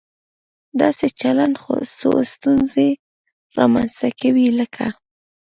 داسې چلن څو ستونزې رامنځته کوي، لکه